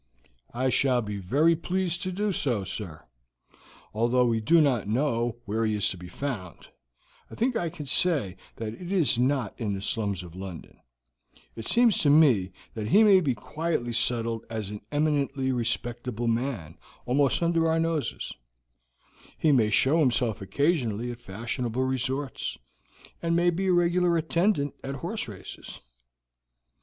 "I shall be very pleased to do so, sir. Although we do not know where he is to be found, I think I can say that it is not in the slums of London; it seems to me that he may be quietly settled as an eminently respectable man almost under our noses; he may show himself occasionally at fashionable resorts, and may be a regular attendant at horse races.